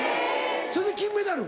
それで金メダル？